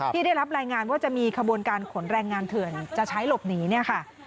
ที่ได้รับรายงานว่าจะมีขบวนการขนแรงงานเถื่อนจะใช้หลบหนีเนี่ยค่ะ